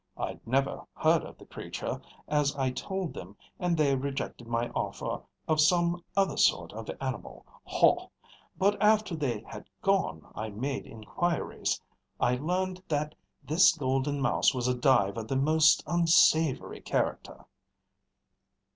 I'd never heard of the creature, as I told them, and they rejected my offer of some other sort of animal. Haw! But after they had gone, I made inquiries. I learned that this Golden Mouse was a dive of the most unsavory character."